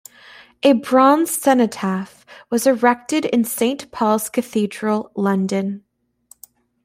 A bronze cenotaph was erected in Saint Paul's Cathedral, London.